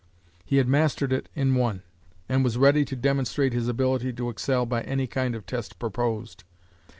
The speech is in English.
He had mastered it in one, and was ready to demonstrate his ability to excel by any kind of test proposed.